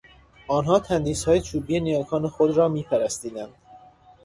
آنها تندیسهای چوبی نیاکان خود را میپرستیدند.